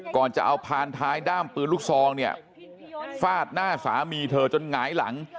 ก่อนจะเอาพานท้ายด้ามปืนลูกซองเนี่ยฟาดหน้าสามีเธอจนหงายหลัง